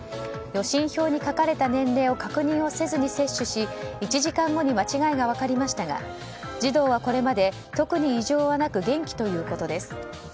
予診票に書かれた年齢を確認せずに接種し１時間後に間違いが分かりましたが児童はこれまで、特に異常はなく元気ということです。